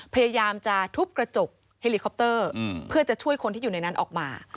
พยายามจะทุบกระจกเฮลิคอปเตอร์เพื่อจะช่วยคนที่อยู่ในนั้นออกมา